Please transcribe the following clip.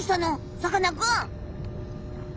さかなクン。